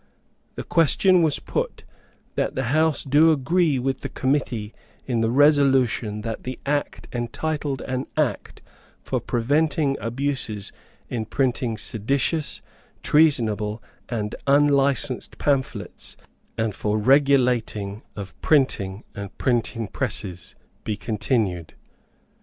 The question was put, "that the House do agree with the committee in the resolution that the Act entitled an Act for preventing Abuses in printing seditious, treasonable and unlicensed Pamphlets, and for regulating of Printing and Printing Presses, be continued."